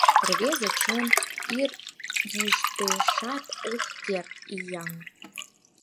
Рвезе чон ир йӱштешат ок керт ияҥ.